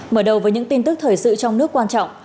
mở đầu với những tin tức thời sự trong nước quan trọng